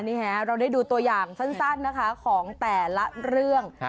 อ๋อนี่แหละเราได้ดูตัวอย่างสั้นนะคะของแต่ละเรื่อง